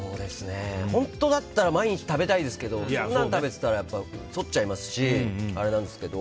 本当だったら毎日食べたいですけどそんなに食べてたら太っちゃいますしあれなんですけど。